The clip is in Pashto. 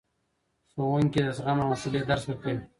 ښوونکي د زغم او حوصلې درس ورکوي.